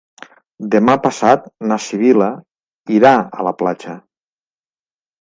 Demà passat na Sibil·la irà a la platja.